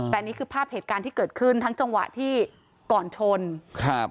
แต่นี่คือภาพเหตุการณ์ที่เกิดขึ้นทั้งจังหวะที่ก่อนชนครับ